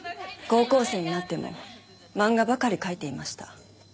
高校生になっても漫画ばかり描いていました。